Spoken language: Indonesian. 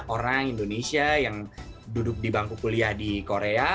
orang indonesia yang duduk di bangku kuliah di korea